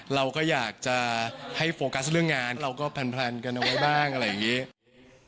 เราก็อยากจะให้โฟกัสเรื่องงานเราก็แพลนกันเอาไว้บ้างอะไรอย่างนี้